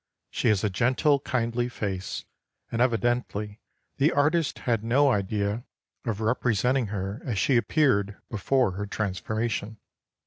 She has a gentle, kindly face, and evidently the artist had no idea of representing her as she appeared before her transformation.